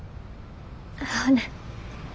ほな。